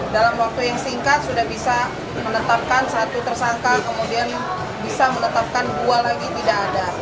dalam waktu yang singkat sudah bisa menetapkan satu tersangka kemudian bisa menetapkan dua lagi tidak ada